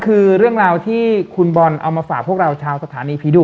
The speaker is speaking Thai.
คือเรื่องราวที่คุณบอลเอามาฝากพวกเราชาวสถานีผีดุ